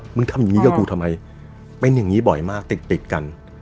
ทำอย่างนี้กับกูทำไมเป็นอย่างนี้บ่อยมากติดติดกัน